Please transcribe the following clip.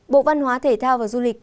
bộ văn hóa thể thao và du lịch